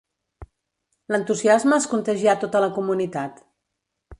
L'entusiasme es contagià a tota la comunitat.